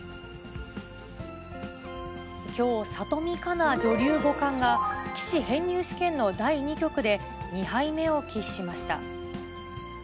きょう、里見香奈女流五冠が、棋士編入試験の第２局で、２敗目を喫しました。